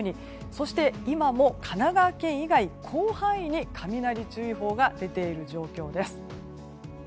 そして、今も神奈川県以外、広範囲に雷注意報が出ている状況です。